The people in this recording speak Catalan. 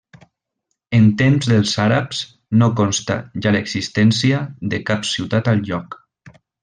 En temps dels àrabs no consta ja l'existència de cap ciutat al lloc.